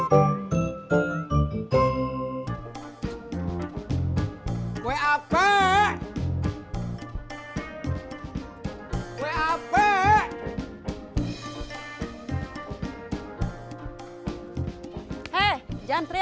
caset mboknya yang mewah lagi